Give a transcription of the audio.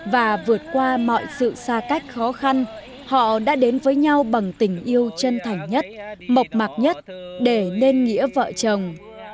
và vượt qua mọi sự xa cách khó khăn họ đã đến với nhau bằng tình yêu chân thành nhất mộc mạc nhất để nên nghĩa vợ chồng